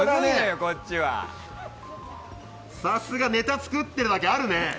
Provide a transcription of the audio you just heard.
さすがネタ作ってるだけあるね！